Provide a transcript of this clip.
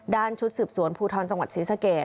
ชุดสืบสวนภูทรจังหวัดศรีสเกต